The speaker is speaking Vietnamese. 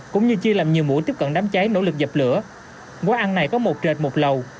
cũng như chia làm nhiều mũi tiếp cận đám cháy nỗ lực dập lửa quán ăn này có một trệt một lầu